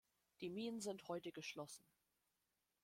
Die Minen sind heute geschlossen.